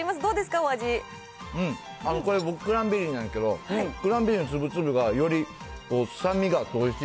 うん、これ、クランベリーなんですけど、クランベリーの粒々がより酸味があっておいしい。